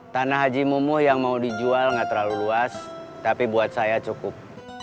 tanah haji mumuh yang mau dijual nggak terlalu luas tapi buat saya cukup